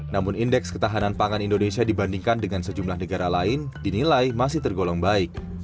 namun indeks ketahanan pangan indonesia dibandingkan dengan sejumlah negara lain dinilai masih tergolong baik